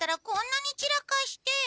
こんなにちらかして。